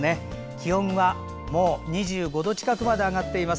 気温はもう２５度近くまで上がっています。